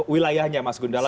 wilayahnya mas gundalat